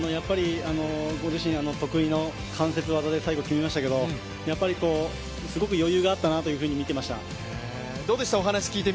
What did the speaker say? ご自身得意の関節技で最後決めましたけど、すごく余裕があったなとみてました。